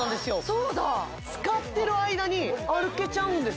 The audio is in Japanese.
そうだ使ってる間に歩けちゃうんです